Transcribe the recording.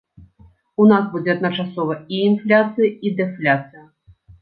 У нас будзе адначасова і інфляцыя, і дэфляцыя.